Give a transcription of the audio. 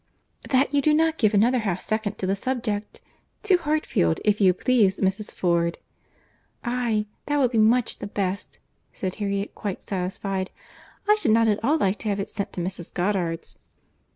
"That you do not give another half second to the subject. To Hartfield, if you please, Mrs. Ford." "Aye, that will be much best," said Harriet, quite satisfied, "I should not at all like to have it sent to Mrs. Goddard's."